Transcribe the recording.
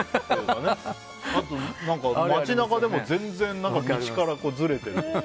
あと、街中でも全然道からずれてるとか。